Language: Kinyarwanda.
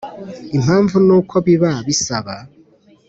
Impamvu ni uko biba bisaba